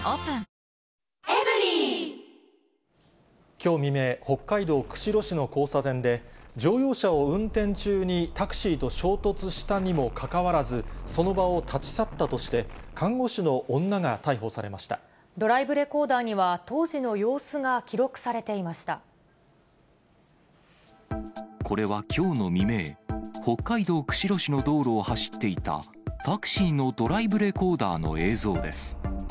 きょう未明、北海道釧路市の交差点で、乗用車を運転中に、タクシーと衝突したにもかかわらず、その場を立ち去ったとして、ドライブレコーダーには、これはきょうの未明、北海道釧路市の道路を走っていたタクシーのドライブレコーダーの映像です。